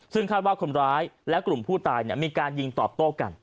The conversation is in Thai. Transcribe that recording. ซึ่งคาดว่าคนร้ายและกลุ่มผู้ตายมีการยิงตอบโต้กัน